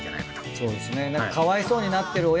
そうですね。